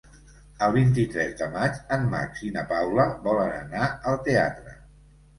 El vint-i-tres de maig en Max i na Paula volen anar al teatre.